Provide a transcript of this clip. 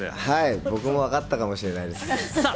僕もわかったかもしれないです。